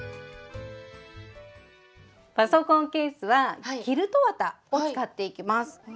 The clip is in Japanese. パソコンケースはキルト綿を使っていきます。